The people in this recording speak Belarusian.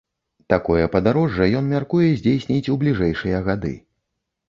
Такое падарожжа ён мяркуе здзейсніць у бліжэйшыя гады.